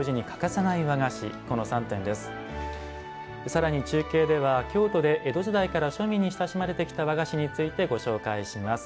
さらに中継では京都で江戸時代から庶民に親しまれてきた和菓子についてご紹介します。